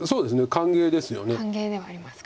歓迎ではありますか。